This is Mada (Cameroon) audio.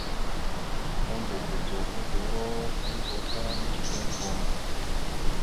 Ambogodzo udoróalgo ta micədere brom a.